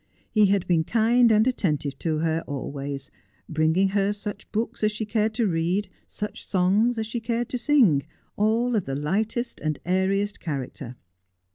He had been kind and attentive to her always, bringing her such books as she cared to read, such songs as she cared to sing, all of the lightest and airiest character.